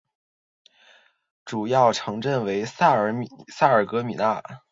主要城镇为萨尔格米讷。